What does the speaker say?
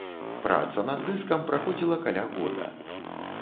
Праца над дыскам праходзіла каля года.